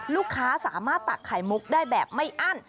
ลูกค้าสามารถตักไข่มุกได้แบบไม่อั้น